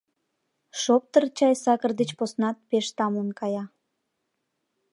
Шоптыр чай сакыр деч поснат пеш тамлын кая.